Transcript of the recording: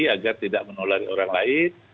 agar tidak menulari orang lain